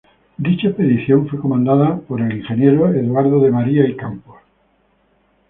Dicha expedición fue comandada por el Ing. Eduardo de María y Campos.